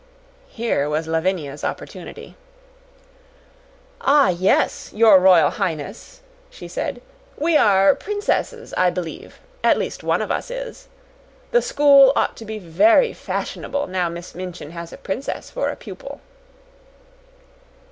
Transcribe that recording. Here was Lavinia's opportunity. "Ah, yes, your royal highness," she said. "We are princesses, I believe. At least one of us is. The school ought to be very fashionable now Miss Minchin has a princess for a pupil."